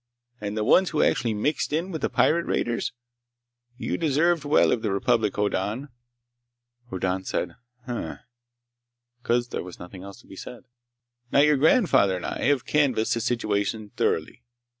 And the ones who actually mixed in with the pirate raiders— You deserve well of the republic, Hoddan!" Hoddan said, "Hm m m," because there was nothing else to be said. "Now, your grandfather and I have canvassed the situation thoroughly!